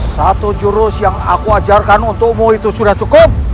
satu jurus yang aku ajarkan untukmu itu sudah cukup